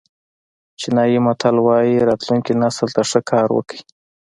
چینایي متل وایي راتلونکي نسل ته ښه کار وکړئ.